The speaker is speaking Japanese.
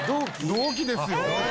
同期ですよ。